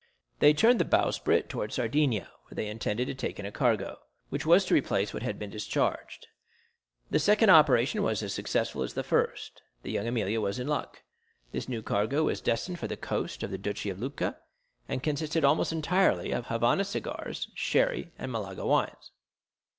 They turned the bowsprit towards Sardinia, where they intended to take in a cargo, which was to replace what had been discharged. The second operation was as successful as the first, La Jeune Amélie was in luck. This new cargo was destined for the coast of the Duchy of Lucca, and consisted almost entirely of Havana cigars, sherry, and Malaga wines.